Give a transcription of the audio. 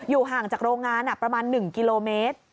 ห่างจากโรงงานประมาณ๑กิโลเมตร